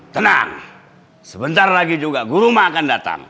tenang sebentar lagi juga guruma akan datang